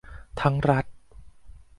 ทั้งรัฐ